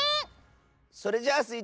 それじゃあスイ